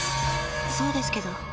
そうですけど。